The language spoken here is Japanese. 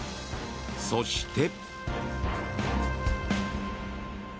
そして。